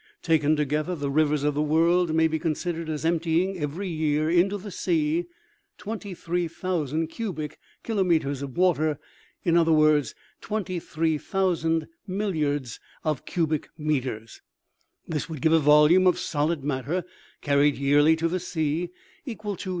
" Taken together, the rivers of the world may be considered as emptying, every year, into the sea 23,000 cubic kilometers of water (in other words, 23,000 milliards of cubic meters). This would give a volume of solid matter carried yearly to the sea, equal to 10.